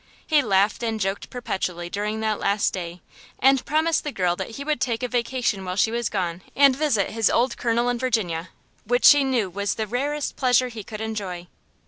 He laughed and joked perpetually during that last day, and promised the girl that he would take a vacation while she was gone and visit his old colonel in Virginia, which she knew was the rarest pleasure he could enjoy.